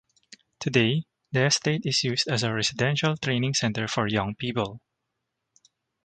Today the estate is used as a residential training centre for young people.